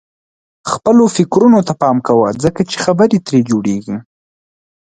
خپلو فکرونو ته پام کوه ځکه چې خبرې ترې جوړيږي.